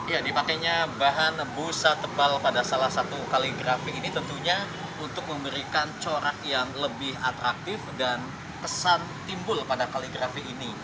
ya dipakainya bahan busa tebal pada salah satu kaligrafi ini tentunya untuk memberikan corak yang lebih atraktif dan kesan timbul pada kaligrafi ini